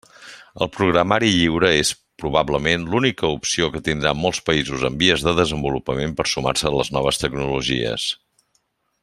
El programari lliure és, probablement, l'única opció que tindran molts països en vies de desenvolupament per sumar-se a les noves tecnologies.